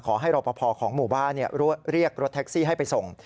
รอปภของหมู่บ้านเรียกรถแท็กซี่ให้ไปส่ง